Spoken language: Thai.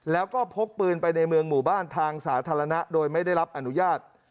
แล้วก็พกปืนไปในเมืองหมู่บ้านทางสาธารณะโดยไม่ได้รับอนุญาต